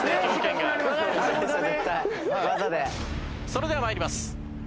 それでは参ります。